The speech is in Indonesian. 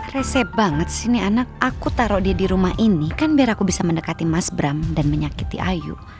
resep banget sini anak aku taruh dia di rumah ini kan biar aku bisa mendekati mas bram dan menyakiti ayu